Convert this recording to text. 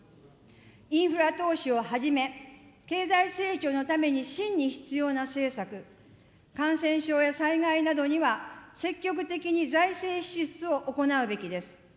インフラ投資をはじめ、経済成長のために真に必要な政策、感染症や災害などには積極的に財政支出を行うべきです。